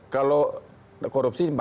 kalau korupsi empat sembilan ratus